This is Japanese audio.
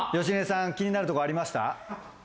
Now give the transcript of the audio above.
芳根さん気になるとこありました？